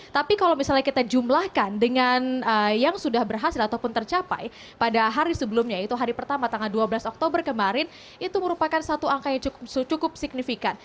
tapi kalau misalnya kita jumlahkan dengan yang sudah berhasil ataupun tercapai pada hari sebelumnya yaitu hari pertama tanggal dua belas oktober kemarin itu merupakan satu angka yang cukup signifikan